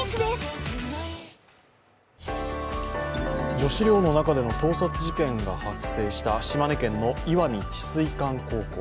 女子寮の中での盗撮事件が発生した島根県の石見智翠館高校。